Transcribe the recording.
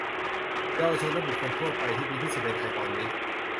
เยาวชนและบุคคลทั่วไป ที่ดีที่สุดในไทยตอนนี้